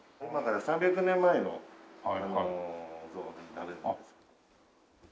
３００年前の像になるんです。